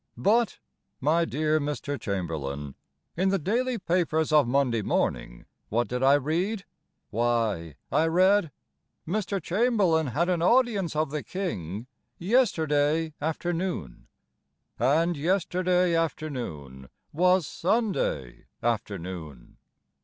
But, my dear Mr. Chamberlain, In the daily papers of Monday morning, What did I read? Why, I read: "Mr. Chamberlain had an audience of the King Yesterday afternoon." And yesterday afternoon was Sunday afternoon.